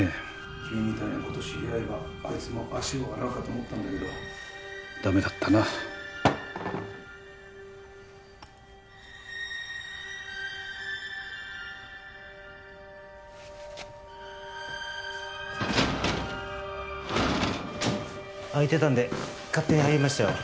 君みたいな子と知り合えばあいつも足を洗うかと思ったんだけどダメだったな開いてたんで勝手に入りましたよ